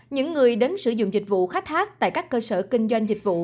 những người đến sử dụng dịch vụ khách hát tại các cơ sở kinh doanh dịch vụ